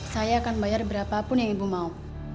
saya akan bayar berapa pun yang ibu mau